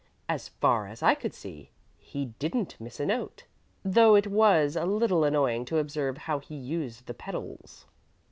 As far as I could see, he didn't miss a note, though it was a little annoying to observe how he used the pedals."